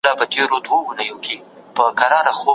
هغه ته د ګرمۍ هېڅ فکر نه و.